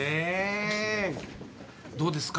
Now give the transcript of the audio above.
どうですか？